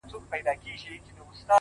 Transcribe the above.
ذهن د تمرکز له لارې قوي کېږي